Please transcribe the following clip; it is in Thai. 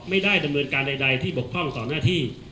ไม่ได้ดำเนินการใดที่บกพร่องต่อหน้าที่